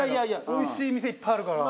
おいしい店いっぱいあるから。